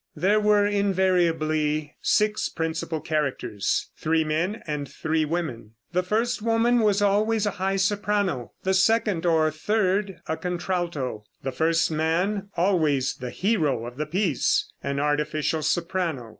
There were invariably six principal characters, three men and three women. The first woman was always a high soprano; the second or third a contralto; the first man, always the hero of the piece, an artificial soprano.